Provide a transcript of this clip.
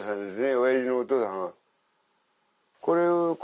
おやじのお父さん。